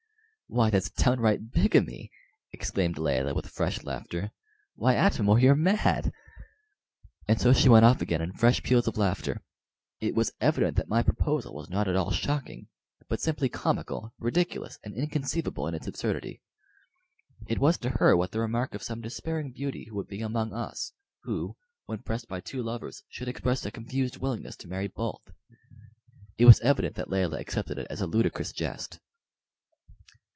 "Why, that's downright bigamy!" exclaimed Layelah with fresh laughter. "Why, Atam or, you're mad!" and so she went off again in fresh peals of laughter. It was evident that my proposal was not at all shocking, but simply comical, ridiculous, and inconceivable in its absurdity. It was to her what the remark of some despairing beauty would be among us who, when pressed by two lovers should express a confused willingness to marry both. It was evident that Layelah accepted it as a ludicrous jest.